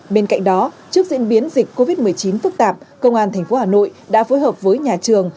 bên cạnh đó trước diễn biến dịch covid một mươi chín phức tạp công an tp hà nội đã phối hợp với nhà trường